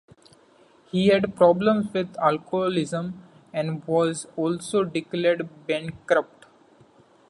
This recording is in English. He had problems with alcoholism and was also declared bankrupt.